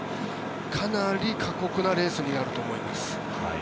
かなり過酷なレースになると思います。